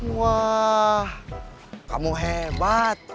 wah kamu hebat